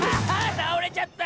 たおれちゃった！